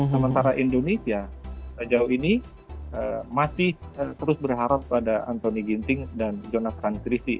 sementara indonesia sejauh ini masih terus berharap pada anthony ginting dan jonathan srivi